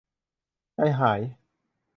ใจหาย